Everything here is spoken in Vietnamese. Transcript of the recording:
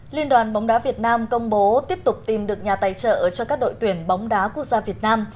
liên đoàn bóng đá việt nam công bố tiếp tục tìm được nhà tài trợ cho các đội tuyển bóng đá quốc gia việt nam